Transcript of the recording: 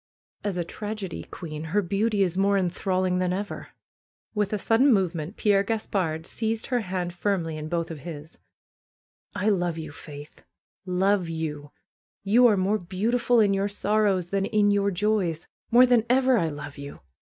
^^As a tragedy queen her beauty is more enthralling than ever." With a sudden movement Pierre Gaspard seized her hand firmly in both of his. love you. Faith ! Love you ! You are more beau tiful in your sorrows than in your joys. More than ever I love you!